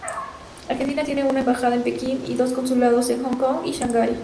Argentina tiene una embajada en Pekín y dos consulados en Hong Kong y Shanghai.